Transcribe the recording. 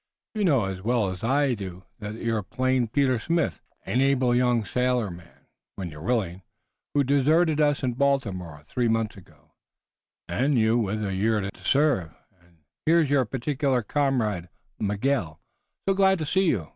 You know as well as we do that you're plain Peter Smith, an able young sailorman, when you're willing, who deserted us in Baltimore three months ago, and you with a year yet to serve. And here's your particular comrade, Miguel, so glad to see you.